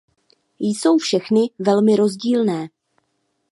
Jsou všechny velmi rozdílné.